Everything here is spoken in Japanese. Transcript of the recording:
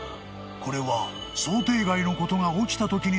［これは］